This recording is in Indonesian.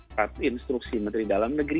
surat instruksi menteri dalam negeri